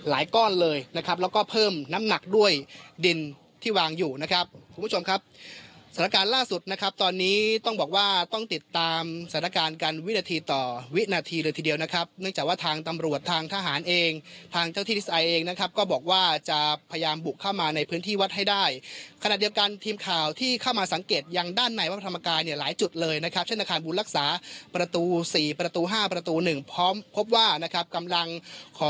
แล้วก็เพิ่มน้ำหนักด้วยดินที่วางอยู่นะครับคุณผู้ชมครับสถานการณ์ล่าสุดนะครับตอนนี้ต้องบอกว่าต้องติดตามสถานการณ์กันวินาทีต่อวินาทีหรือทีเดียวนะครับเนื่องจากว่าทางตำรวจทางทหารเองทางเจ้าที่นิสัยเองนะครับก็บอกว่าจะพยายามบุกเข้ามาในพื้นที่วัดให้ได้ขณะเดียวกันทีมข่าวที่เข้ามาสังเ